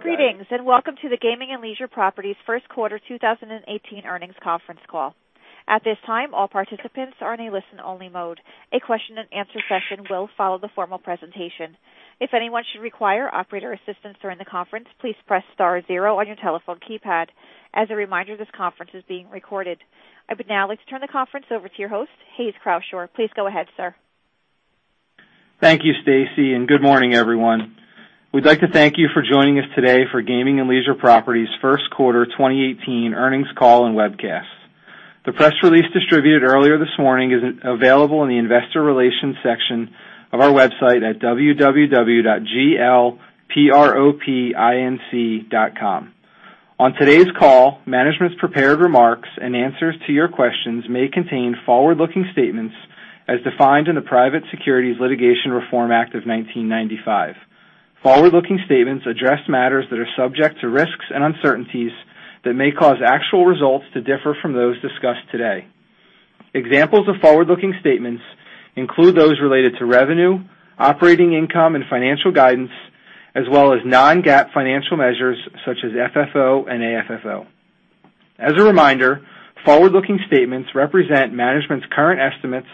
Greetings, and welcome to the Gaming and Leisure Properties first quarter 2018 earnings conference call. At this time, all participants are in a listen-only mode. A question-and-answer session will follow the formal presentation. If anyone should require operator assistance during the conference, please press star zero on your telephone keypad. As a reminder, this conference is being recorded. I would now like to turn the conference over to your host, Hayes Croushore. Please go ahead, sir. Thank you, Stacy. Good morning, everyone. We'd like to thank you for joining us today for Gaming and Leisure Properties first quarter 2018 earnings call and webcast. The press release distributed earlier this morning is available in the investor relations section of our website at www.glpropinc.com. On today's call, management's prepared remarks and answers to your questions may contain forward-looking statements as defined in the Private Securities Litigation Reform Act of 1995. Forward-looking statements address matters that are subject to risks and uncertainties that may cause actual results to differ from those discussed today. Examples of forward-looking statements include those related to revenue, operating income, and financial guidance, as well as non-GAAP financial measures such as FFO and AFFO. As a reminder, forward-looking statements represent management's current estimates,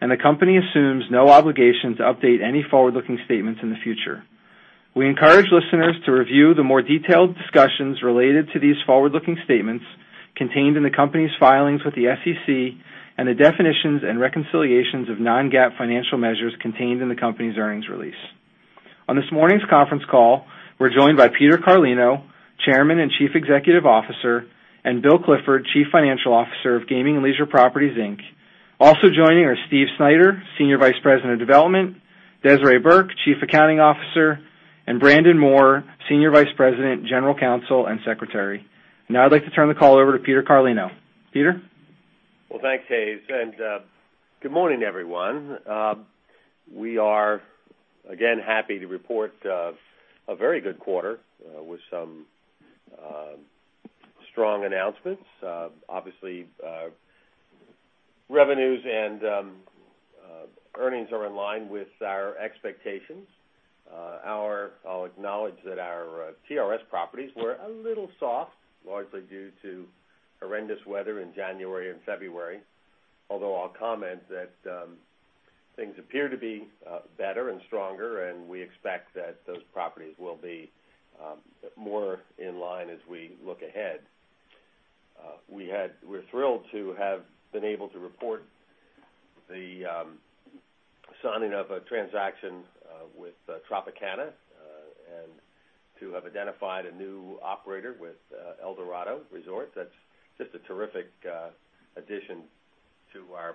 and the company assumes no obligation to update any forward-looking statements in the future. We encourage listeners to review the more detailed discussions related to these forward-looking statements contained in the company's filings with the SEC and the definitions and reconciliations of non-GAAP financial measures contained in the company's earnings release. On this morning's conference call, we're joined by Peter Carlino, Chairman and Chief Executive Officer, and Bill Clifford, Chief Financial Officer of Gaming and Leisure Properties, Inc. Also joining are Steve Snyder, Senior Vice President of Development, Desiree Burke, Chief Accounting Officer, and Brandon Moore, Senior Vice President, General Counsel, and Secretary. Now, I'd like to turn the call over to Peter Carlino. Peter? Well, thanks, Hayes, and good morning, everyone. We are again happy to report a very good quarter with some strong announcements. Obviously, revenues and earnings are in line with our expectations. I'll acknowledge that our TRS properties were a little soft, largely due to horrendous weather in January and February, although I'll comment that things appear to be better and stronger, and we expect that those properties will be more in line as we look ahead. We're thrilled to have been able to report the signing of a transaction with Tropicana and to have identified a new operator with Eldorado Resorts. That's just a terrific addition to our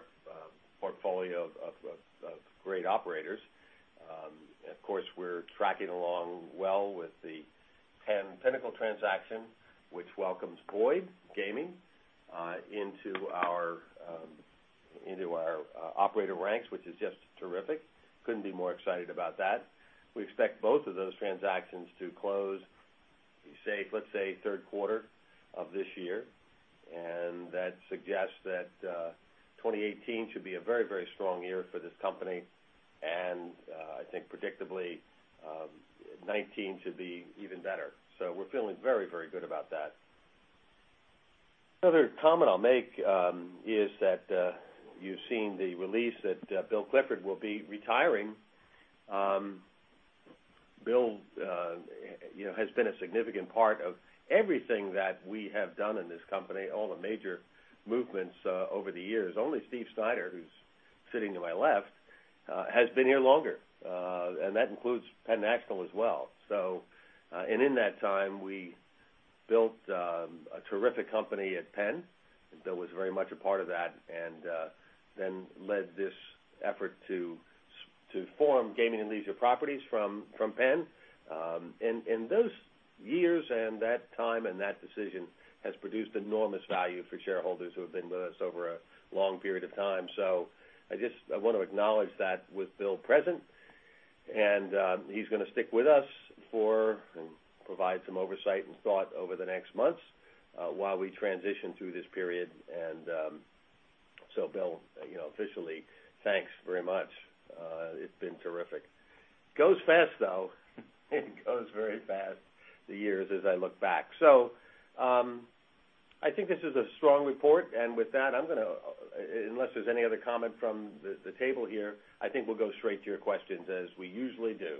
portfolio of great operators. Of course, we're tracking along well with the Penn Pinnacle transaction, which welcomes Boyd Gaming into our operator ranks, which is just terrific. Couldn't be more excited about that. We expect both of those transactions to close, be safe, let's say, third quarter of this year. That suggests that 2018 should be a very, very strong year for this company. I think predictably, 2019 should be even better. We're feeling very, very good about that. Another comment I'll make is that you've seen the release that Bill Clifford will be retiring. Bill, you know, has been a significant part of everything that we have done in this company, all the major movements over the years. Only Steve Snyder, who's sitting to my left, has been here longer, and that includes Penn National as well. In that time, we built a terrific company at Penn, and Bill was very much a part of that and then led this effort to form Gaming and Leisure Properties from Penn. Those years and that time and that decision has produced enormous value for shareholders who have been with us over a long period of time. I just want to acknowledge that with Bill present, he's gonna stick with us for and provide some oversight and thought over the next months while we transition through this period. Bill, you know, officially, thanks very much. It's been terrific. Goes fast, though. It goes very fast, the years, as I look back. I think this is a strong report. I'm gonna, unless there's any other comment from the table here, I think we'll go straight to your questions as we usually do.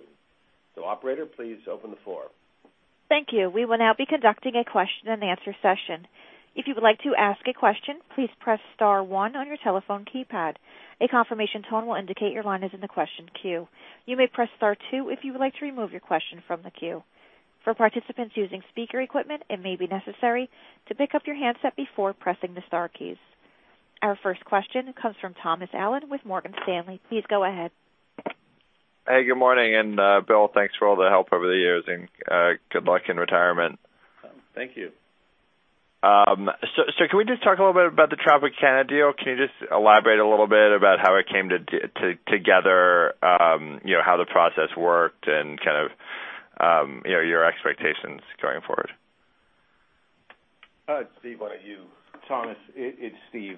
Operator, please open the floor. Thank you. We will now be conducting a question-and-answer session. If you would like to ask a question, please press star one on your telephone keypad. A confirmation tone will indicate your line is in the question queue. You may press star two if you would like to remove your question from the queue. For participants using speaker equipment, it may be necessary to pick up your handset before pressing the star keys. Our first question comes from Thomas Allen with Morgan Stanley. Please go ahead. Hey, good morning. Bill, thanks for all the help over the years and, good luck in retirement. Thank you. Can we just talk a little bit about the Tropicana deal? Can you just elaborate a little bit about how it came together, you know, how the process worked and kind of, you know, your expectations going forward? Steve, how are you? Thomas, it's Steve.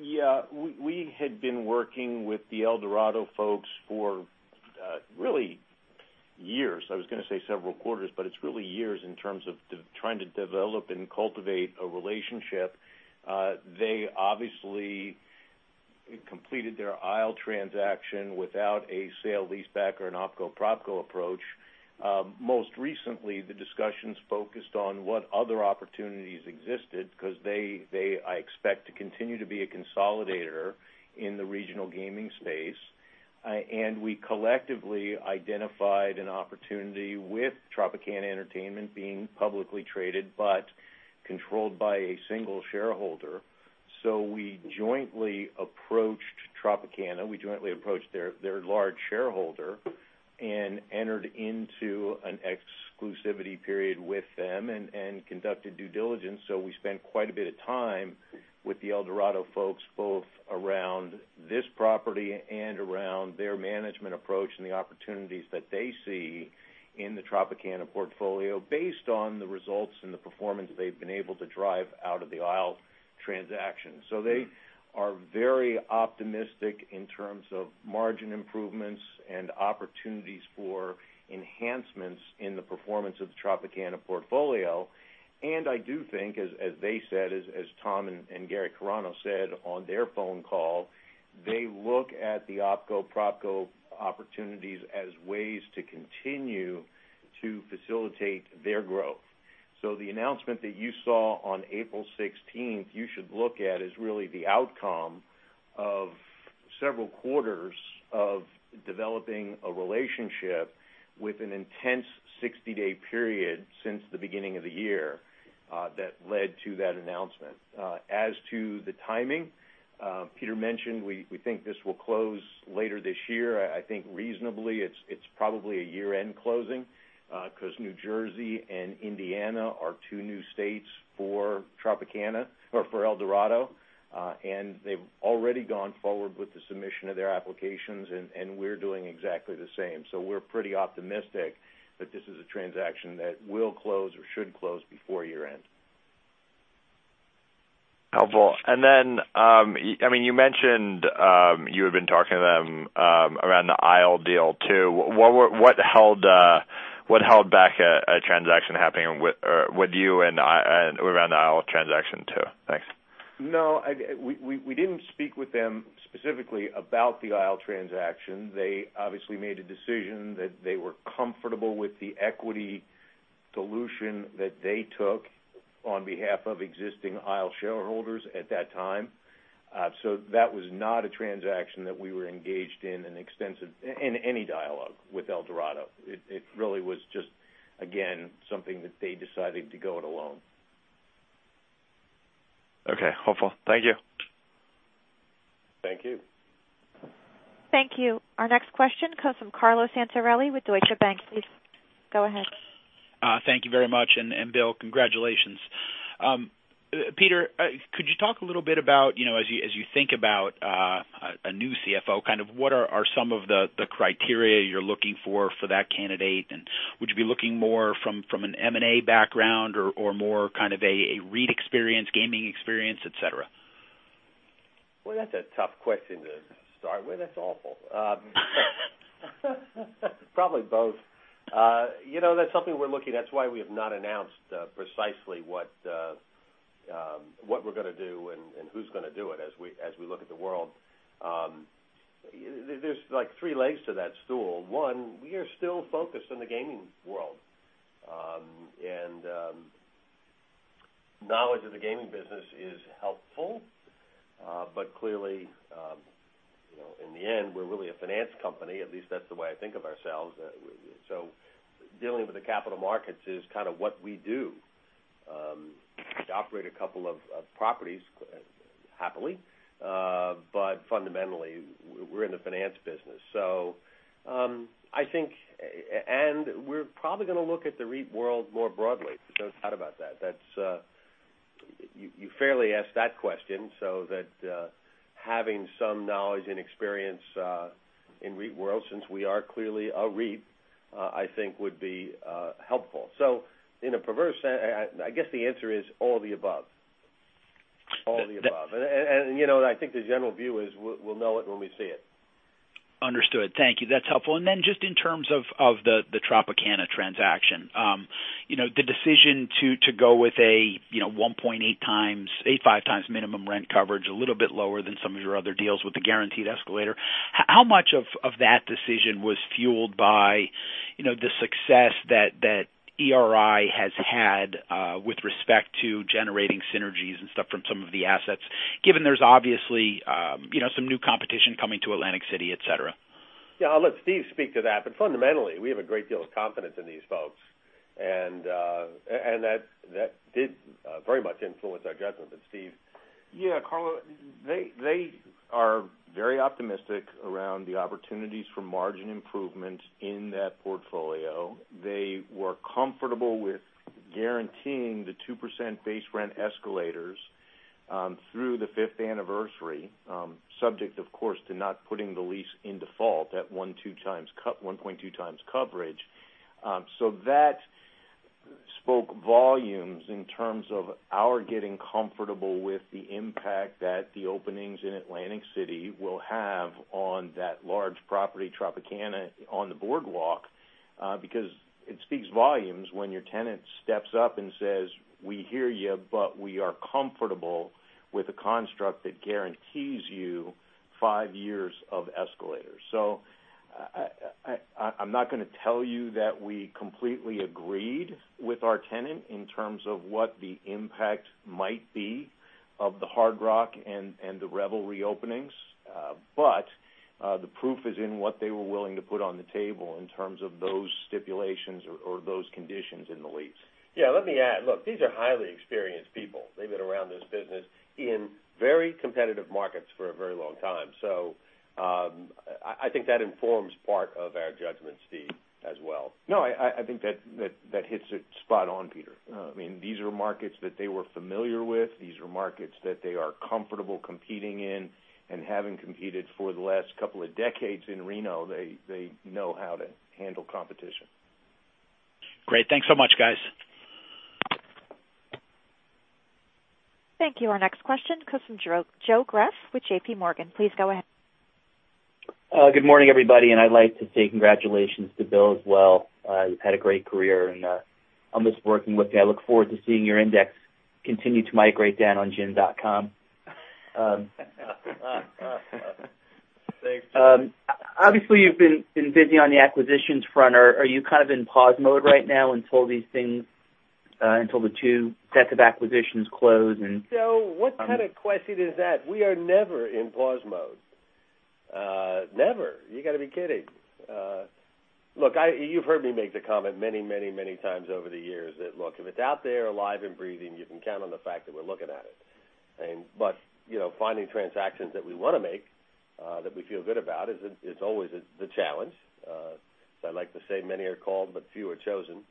Yeah, we had been working with the Eldorado folks for really years. I was going to say several quarters, but it's really years in terms of trying to develop and cultivate a relationship. They obviously completed their Isle transaction without a sale-leaseback or an opco/propco approach. Most recently, the discussions focused on what other opportunities existed because they, I expect to continue to be a consolidator in the regional gaming space. And we collectively identified an opportunity with Tropicana Entertainment being publicly traded but controlled by a single shareholder. We jointly approached Tropicana, we jointly approached their large shareholder and entered into an exclusivity period with them and conducted due diligence. We spent quite a bit of time with the Eldorado folks, both around this property and around their management approach and the opportunities that they see in the Tropicana portfolio based on the results and the performance they've been able to drive out of the Isle transaction. They are very optimistic in terms of margin improvements and opportunities for enhancements in the performance of the Tropicana portfolio. I do think as they said, as Tom and Gary Carano said on their phone call, they look at the opco/propco opportunities as ways to continue to facilitate their growth. The announcement that you saw on April 16th, you should look at as really the outcome of several quarters of developing a relationship with an intense 60-day period since the beginning of the year that led to that announcement. As to the timing, Peter mentioned we think this will close later this year. I think reasonably it's probably a year-end closing, cause New Jersey and Indiana are two new states for Tropicana or for Eldorado. They've already gone forward with the submission of their applications and we're doing exactly the same. We're pretty optimistic that this is a transaction that will close or should close before year-end. Helpful. I mean, you mentioned, you had been talking to them, around the Isle deal too. What held back a transaction happening with you and around the Isle transaction too? Thanks. No, we didn't speak with them specifically about the Isle transaction. They obviously made a decision that they were comfortable with the equity dilution that they took on behalf of existing Isle shareholders at that time. That was not a transaction that we were engaged in an extensive in any dialogue with Eldorado. It really was just, again, something that they decided to go it alone. Okay. Helpful. Thank you. Thank you. Thank you. Our next question comes from Carlo Santarelli with Deutsche Bank. Please go ahead. Thank you very much. Bill, congratulations. Peter, could you talk a little bit about, you know, as you think about a new CFO, kind of what are some of the criteria you're looking for for that candidate? Would you be looking more from an M&A background or more kind of a REIT experience, gaming experience, et cetera? Well, that's a tough question to start with. That's awful. Probably both. You know, that's something That's why we have not announced precisely what we're gonna do and who's gonna do it as we look at the world. There's like three legs to that stool. One, we are still focused on the gaming world. Knowledge of the gaming business is helpful. Clearly, you know, in the end, we're really a finance company, at least that's the way I think of ourselves. Dealing with the capital markets is kind of what we do. We operate a couple of properties happily. Fundamentally, we're in the finance business. I think we're probably gonna look at the REIT world more broadly. There's no doubt about that. That's, you fairly asked that question so that having some knowledge and experience in REIT world since we are clearly a REIT, I think would be helpful. In a perverse I guess the answer is all the above. All the above. You know, I think the general view is we'll know it when we see it. Understood. Thank you. That's helpful. Then just in terms of the Tropicana transaction, the decision to go with a 1.85 times minimum rent coverage, a little bit lower than some of your other deals with the guaranteed escalator. How much of that decision was fueled by the success that ERI has had with respect to generating synergies and stuff from some of the assets, given there's obviously some new competition coming to Atlantic City, et cetera? Yeah, I'll let Steve speak to that, but fundamentally, we have a great deal of confidence in these folks. That did very much influence our judgment. Steve. Yeah, Carlo, they are very optimistic around the opportunities for margin improvement in that portfolio. They were comfortable with guaranteeing the 2% base rent escalators through the fifth anniversary, subject of course, to not putting the lease in default at 1.2 times coverage. So that spoke volumes in terms of our getting comfortable with the impact that the openings in Atlantic City will have on that large property, Tropicana, on the boardwalk, because it speaks volumes when your tenant steps up and says, "We hear you, but we are comfortable with a construct that guarantees you five years of escalators." I'm not gonna tell you that we completely agreed with our tenant in terms of what the impact might be of the Hard Rock and the Revel reopenings. The proof is in what they were willing to put on the table in terms of those stipulations or those conditions in the lease. Yeah, let me add. Look, these are highly experienced people. They've been around this business in very competitive markets for a very long time. I think that informs part of our judgment, Steve, as well. No, I think that hits it spot on, Peter. I mean, these are markets that they were familiar with. These are markets that they are comfortable competing in and having competed for the last couple of decades in Reno, they know how to handle competition. Great. Thanks so much, guys. Thank you. Our next question comes from Joe Greff with JPMorgan. Please go ahead. Good morning, everybody. I'd like to say congratulations to Bill as well. You've had a great career. I look forward to seeing your index continue to migrate down on GHIN.com. Thanks, Joe. Obviously, you've been busy on the acquisitions front. Are you kind of in pause mode right now until these things until the two sets of acquisitions close? Joe, what kind of question is that? We are never in pause mode. Never. You gotta be kidding. Look, you've heard me make the comment many, many, many times over the years that, look, if it's out there alive and breathing, you can count on the fact that we're looking at it. But, you know, finding transactions that we wanna make that we feel good about is always the challenge. As I like to say, many are called, but few are chosen.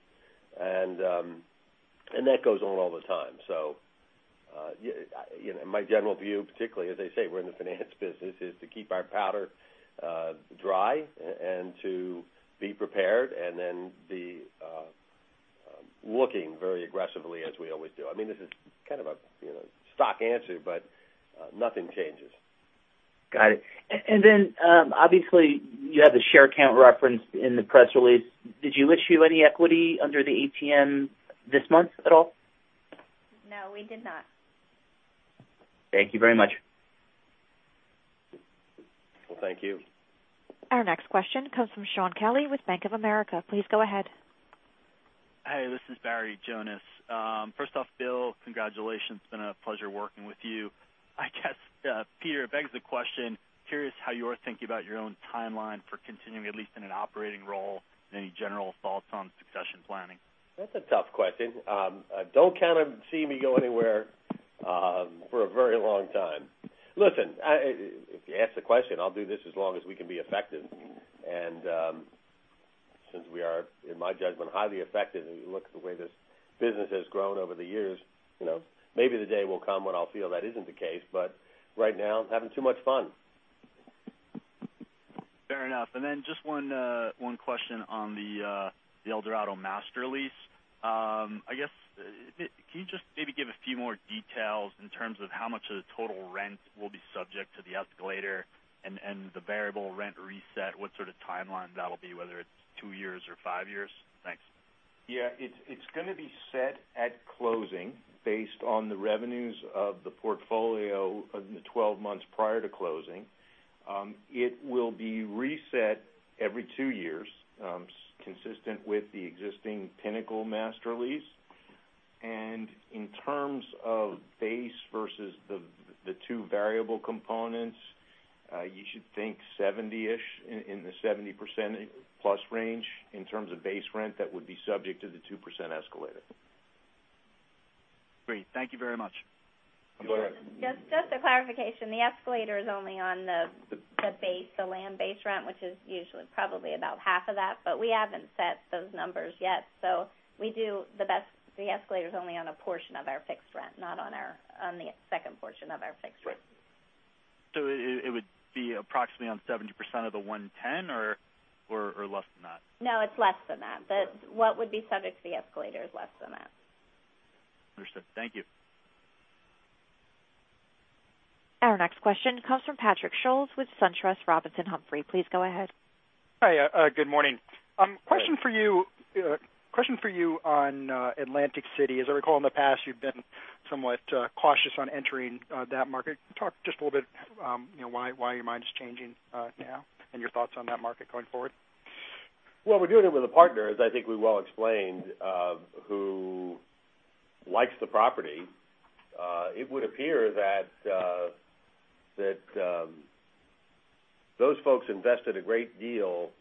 That goes on all the time. You know, my general view, particularly as I say, we're in the finance business, is to keep our powder dry and to be prepared and then be looking very aggressively as we always do. I mean, this is kind of a, you know, stock answer, but nothing changes. Got it. Obviously, you had the share count referenced in the press release. Did you issue any equity under the ATM this month at all? No, we did not. Thank you very much. Well, thank you. Our next question comes from Shaun Kelley with Bank of America. Please go ahead. Hey, this is Barry Jonas. First off, Bill, congratulations. It's been a pleasure working with you. I guess, Peter, it begs the question, curious how you're thinking about your own timeline for continuing, at least in an operating role. Any general thoughts on succession planning? That's a tough question. Don't count or see me go anywhere for a very long time. Listen, if you ask the question, I'll do this as long as we can be effective. Since we are, in my judgment, highly effective, and you look at the way this business has grown over the years, you know, maybe the day will come when I'll feel that isn't the case, but right now, I'm having too much fun. Fair enough. Just one question on the Eldorado master lease. I guess, can you just maybe give a few more details in terms of how much of the total rent will be subject to the escalator and the variable rent reset? What sort of timeline that'll be, whether it's two years or five years? Thanks. Yeah. It's gonna be set at closing based on the revenues of the portfolio in the 12 months prior to closing. It will be reset every two years, consistent with the existing Pinnacle master lease. In terms of base versus the two variable components, you should think 70-ish, in the 70% plus range in terms of base rent that would be subject to the 2% escalator. Great. Thank you very much. Go ahead. Just a clarification. The escalator is only on the base, the land base rent, which is usually probably about half of that. We haven't set those numbers yet. The escalator is only on a portion of our fixed rent, not on the second portion of our fixed rent. Right. It would be approximately on 70% of the 110 or less than that? No, it's less than that. What would be subject to the escalator is less than that. Understood. Thank you. Our next question comes from Patrick Scholes with SunTrust Robinson Humphrey. Please go ahead. Hi. Good morning. Question for you. Question for you on Atlantic City. As I recall in the past, you've been somewhat cautious on entering that market. Talk just a little bit, you know, why your mind is changing now and your thoughts on that market going forward. We're doing it with a partner, as I think we well explained, who likes the property. It would appear that those folks invested a great deal,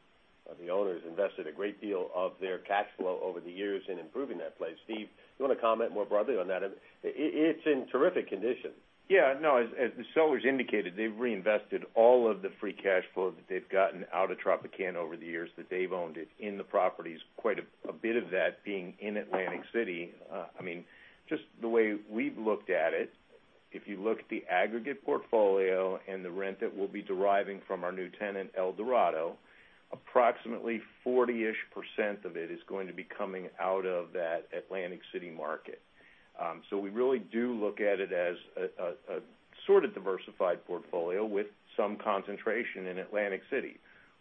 or the owners invested a great deal of their cash flow over the years in improving that place. Steve, you wanna comment more broadly on that? It's in terrific condition. No, as the sellers indicated, they've reinvested all of the free cash flow that they've gotten out of Tropicana over the years that they've owned it in the properties, quite a bit of that being in Atlantic City. I mean, just the way we've looked at it. If you look at the aggregate portfolio and the rent that we'll be deriving from our new tenant, Eldorado, approximately 40-ish% of it is going to be coming out of that Atlantic City market. We really do look at it as a sort of diversified portfolio with some concentration in Atlantic City.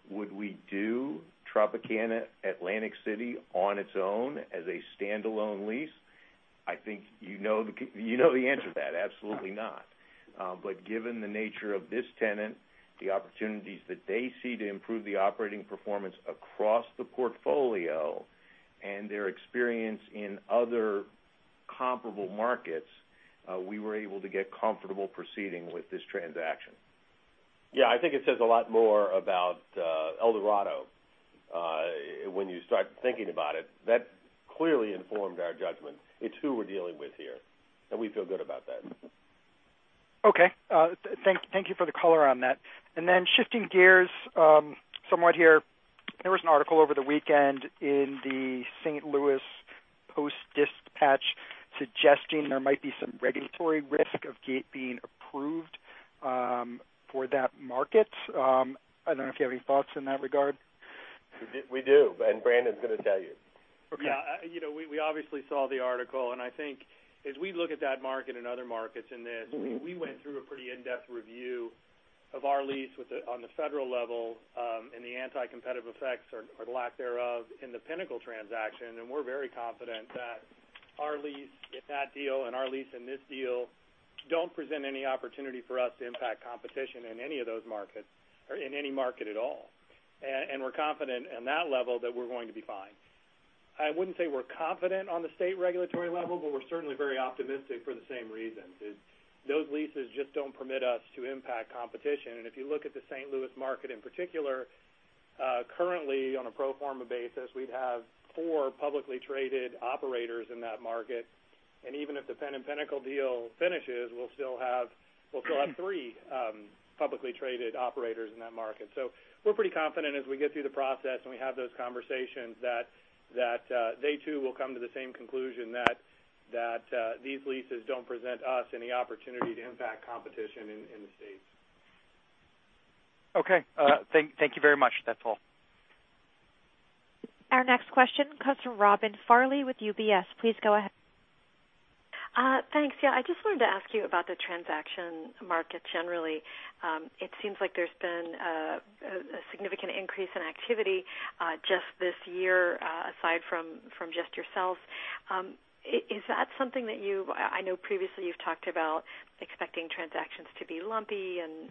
Would we do Tropicana Atlantic City on its own as a standalone lease? I think you know the answer to that. Absolutely not. Given the nature of this tenant, the opportunities that they see to improve the operating performance across the portfolio and their experience in other comparable markets, we were able to get comfortable proceeding with this transaction. Yeah. I think it says a lot more about Eldorado when you start thinking about it. That clearly informed our judgment. It's who we're dealing with here, and we feel good about that. Okay. Thank you for the color on that. Shifting gears, somewhat here, there was an article over the weekend in the St. Louis Post-Dispatch suggesting there might be some regulatory risk of [gate] being approved, for that market. I don't know if you have any thoughts in that regard. We do, Brandon Moore's going to tell you. Okay. Yeah. you know, we obviously saw the article, I think as we look at that market and other markets. we went through a pretty in-depth review of our lease with the, on the federal level, and the anti-competitive effects or lack thereof in the Pinnacle transaction. We're very confident that our lease in that deal and our lease in this deal don't present any opportunity for us to impact competition in any of those markets or in any market at all. We're confident in that level that we're going to be fine. I wouldn't say we're confident on the state regulatory level, but we're certainly very optimistic for the same reasons, is those leases just don't permit us to impact competition. If you look at the St. Louis market in particular, currently on a pro forma basis, we'd have four publicly traded operators in that market. Even if the Penn & Pinnacle deal finishes, we'll still have three publicly traded operators in that market. We're pretty confident as we get through the process and we have those conversations that they too will come to the same conclusion that these leases don't present us any opportunity to impact competition in the states. Okay. Thank you very much. That's all. Our next question comes from Robin Farley with UBS. Please go ahead. Thanks. Yeah. I just wanted to ask you about the transaction market generally. It seems like there's been a significant increase in activity just this year aside from just yourselves. Is that something that you've I know previously you've talked about expecting transactions to be lumpy and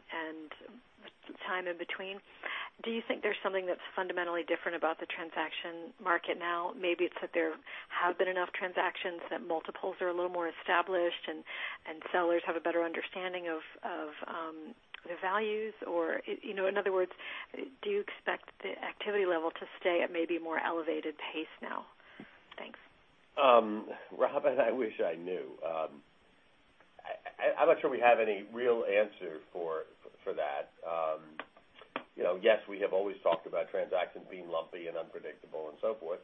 some time in between. Do you think there's something that's fundamentally different about the transaction market now? Maybe it's that there have been enough transactions, that multiples are a little more established and sellers have a better understanding of the values, or, you know, in other words, do you expect the activity level to stay at maybe a more elevated pace now? Thanks. Robin, I wish I knew. I'm not sure we have any real answer for that. You know, yes, we have always talked about transactions being lumpy and unpredictable and so forth.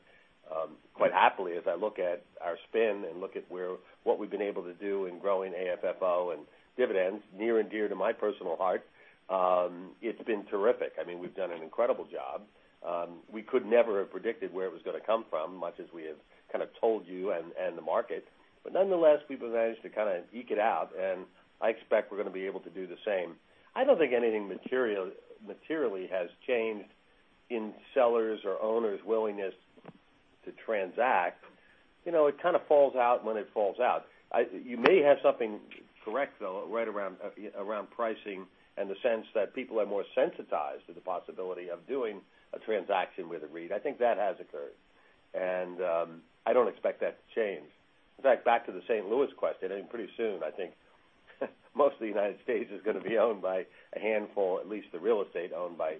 Quite happily, as I look at our spin and look at where, what we've been able to do in growing AFFO and dividends, near and dear to my personal heart, it's been terrific. I mean, we've done an incredible job. We could never have predicted where it was gonna come from, much as we have kind of told you and the market. Nonetheless, we've managed to kinda eke it out, and I expect we're gonna be able to do the same. I don't think anything materially has changed in sellers' or owners' willingness to transact. You know, it kinda falls out when it falls out. You may have something correct, though, right around pricing in the sense that people are more sensitized to the possibility of doing a transaction with a REIT. I think that has occurred, and I don't expect that to change. In fact, back to the St. Louis question, I mean, pretty soon, I think most of the United States is gonna be owned by a handful, at least the real estate, owned by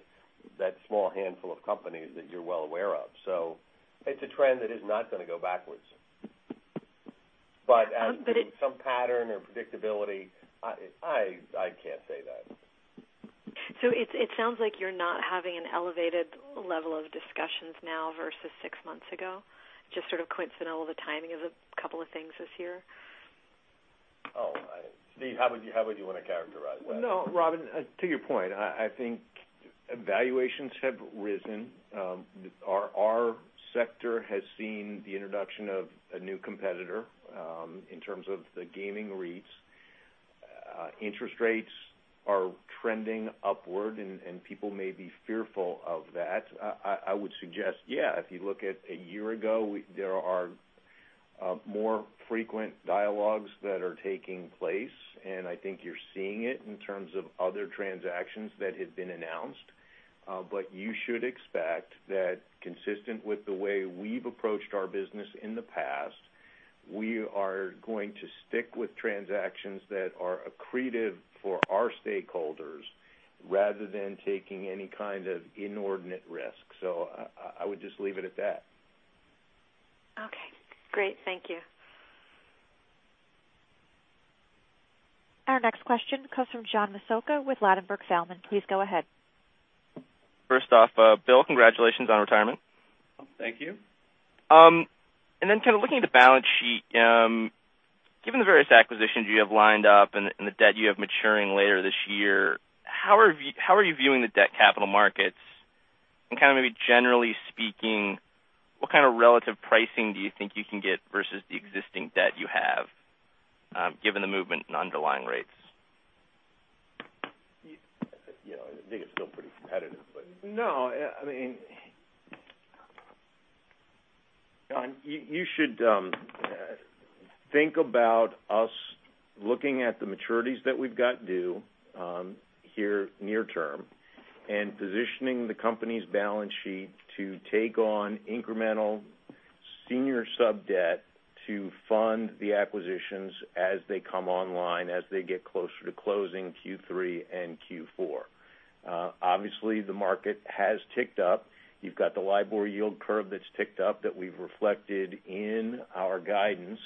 that small handful of companies that you're well aware of. It's a trend that is not gonna go backwards. But it some pattern or predictability, I can't say that. It sounds like you're not having an elevated level of discussions now versus 6 months ago, just sort of coincidental, the timing of the two things this year. Steve Snyder, how would you wanna characterize that? No, Robin, to your point, I think valuations have risen. Our sector has seen the introduction of a new competitor in terms of the gaming REITs. Interest rates are trending upward, and people may be fearful of that. I would suggest, yeah, if you look at 1 year ago, there are more frequent dialogues that are taking place, and I think you're seeing it in terms of other transactions that have been announced. You should expect that consistent with the way we've approached our business in the past, we are going to stick with transactions that are accretive for our stakeholders rather than taking any kind of inordinate risk. I would just leave it at that. Okay, great. Thank you. Our next question comes from John DeCree with Ladenburg Thalmann. Please go ahead. First off, Bill, congratulations on retirement. Thank you. Kind of looking at the balance sheet, given the various acquisitions you have lined up and the debt you have maturing later this year, how are you viewing the debt capital markets? Kinda maybe generally speaking, what kind of relative pricing do you think you can get versus the existing debt you have, given the movement in underlying rates? You know, I think it's still pretty competitive. I mean John, you should think about us looking at the maturities that we've got due here near term and positioning the company's balance sheet to take on incremental senior sub-debt to fund the acquisitions as they come online, as they get closer to closing Q3 and Q4. Obviously, the market has ticked up. You've got the LIBOR yield curve that's ticked up that we've reflected in our guidance.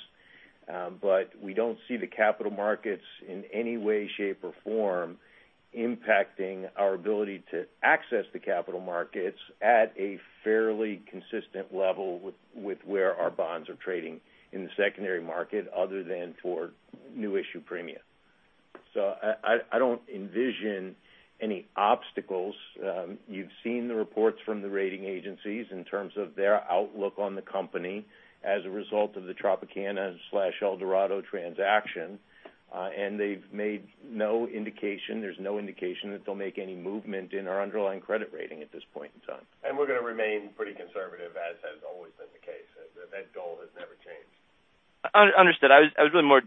But we don't see the capital markets in any way, shape, or form impacting our ability to access the capital markets at a fairly consistent level with where our bonds are trading in the secondary market other than for new issue premium. I don't envision any obstacles. You've seen the reports from the rating agencies in terms of their outlook on the company as a result of the Tropicana/Eldorado transaction. They've made no indication, there's no indication that they'll make any movement in our underlying credit rating at this point in time. We're gonna remain pretty conservative, as has always been the case. That goal has never changed. I was really more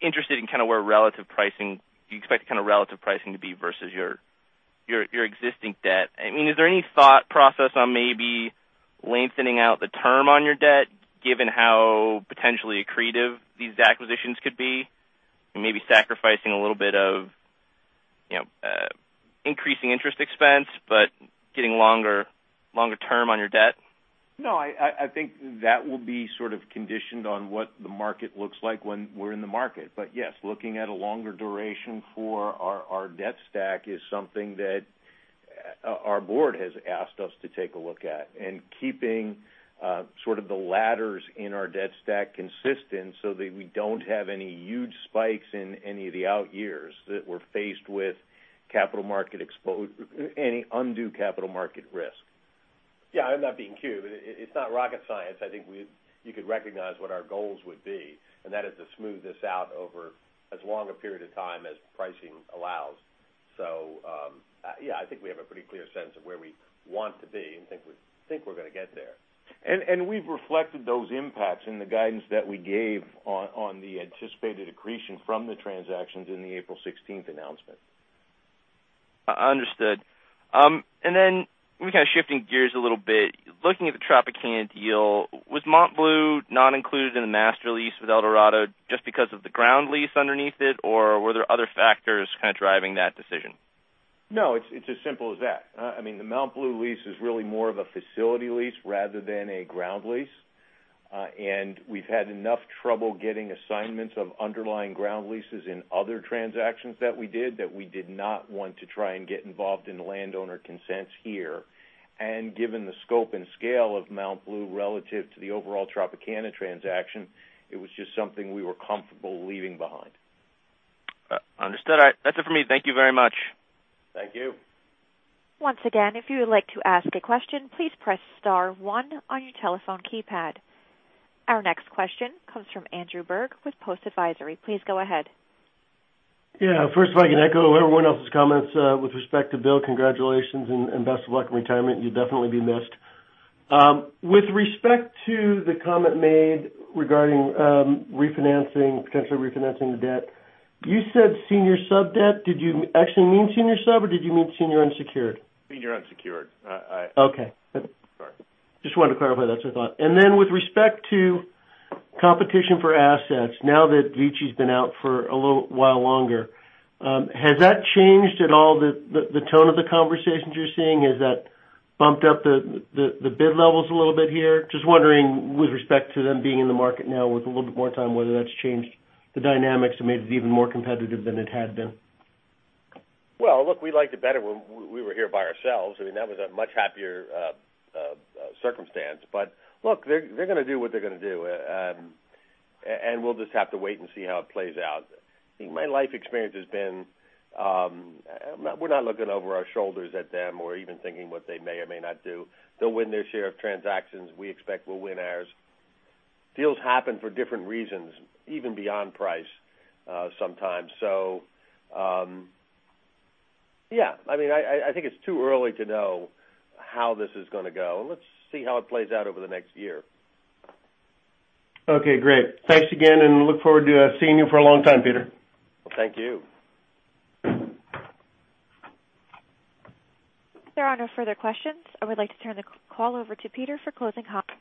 interested in kinda where relative pricing, you expect kinda relative pricing to be versus your existing debt. I mean, is there any thought process on maybe lengthening out the term on your debt given how potentially accretive these acquisitions could be? Maybe sacrificing a little bit of, you know, increasing interest expense, but getting longer term on your debt? No, I think that will be sort of conditioned on what the market looks like when we're in the market. Yes, looking at a longer duration for our debt stack is something that our board has asked us to take a look at. Keeping sort of the ladders in our debt stack consistent so that we don't have any huge spikes in any of the out years that we're faced with capital market any undue capital market risk. I'm not being queued. It's not rocket science. I think you could recognize what our goals would be, and that is to smooth this out over as long a period of time as pricing allows. I think we have a pretty clear sense of where we want to be and think we're gonna get there. We've reflected those impacts in the guidance that we gave on the anticipated accretion from the transactions in the April 16th announcement. Understood. Then maybe kinda shifting gears a little bit, looking at the Tropicana deal, was MontBleu not included in the master lease with Eldorado just because of the ground lease underneath it, or were there other factors kinda driving that decision? No, it's as simple as that. I mean the MontBleu lease is really more of a facility lease rather than a ground lease. We've had enough trouble getting assignments of underlying ground leases in other transactions that we did not want to try and get involved in landowner consents here. Given the scope and scale of MontBleu relative to the overall Tropicana transaction, it was just something we were comfortable leaving behind. understood. That's it for me. Thank you very much. Thank you. Once again, if you would like to ask a question, please press star one on your telephone keypad. Our next question comes from Andrew Berg with Post Advisory. Please go ahead. First if I can echo everyone else's comments, with respect to Bill, congratulations and best of luck in retirement. You'll definitely be missed. With respect to the comment made regarding refinancing, potentially refinancing the debt, you said senior sub-debt. Did you actually mean senior sub or did you mean senior unsecured? Senior unsecured. Okay. Sorry. Just wanted to clarify. That's what I thought. With respect to competition for assets, now that VICI's been out for a little while longer, has that changed at all the, the tone of the conversations you're seeing? Has that bumped up the, the bid levels a little bit here? Just wondering with respect to them being in the market now with a little bit more time, whether that's changed the dynamics and made it even more competitive than it had been. Well, look, we liked it better when we were here by ourselves. I mean, that was a much happier circumstance. Look, they're gonna do what they're gonna do. And we'll just have to wait and see how it plays out. My life experience has been, we're not looking over our shoulders at them or even thinking what they may or may not do. They'll win their share of transactions, we expect we'll win ours. Deals happen for different reasons, even beyond price sometimes. Yeah, I mean, I think it's too early to know how this is gonna go. Let's see how it plays out over the next year. Okay, great. Thanks again, and look forward to seeing you for a long time, Peter. Well, thank you. If there are no further questions, I would like to turn the call over to Peter for closing comments.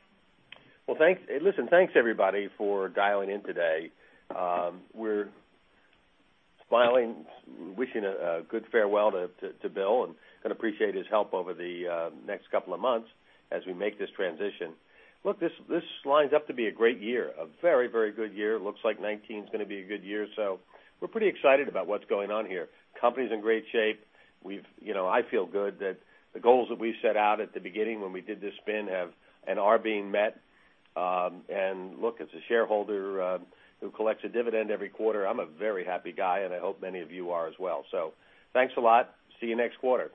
Thanks. Thanks everybody for dialing in today. We're smiling, wishing a good farewell to Bill, and gonna appreciate his help over the next couple of months as we make this transition. This lines up to be a great year. A very, very good year. Looks like 2019 is gonna be a good year. We're pretty excited about what's going on here. Company's in great shape. We've, you know, I feel good that the goals that we set out at the beginning when we did this spin have and are being met. As a shareholder, who collects a dividend every quarter, I'm a very happy guy, and I hope many of you are as well. Thanks a lot. See you next quarter.